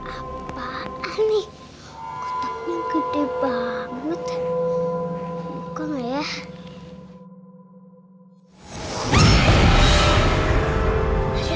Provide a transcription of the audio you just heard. apaan nih ketuknya gede banget bukan ya